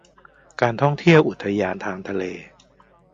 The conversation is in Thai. การท่องเที่ยวอุทยานทางทะเล